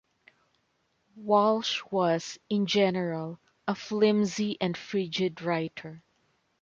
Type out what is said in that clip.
Walsh was in general a flimzy and frigid writer.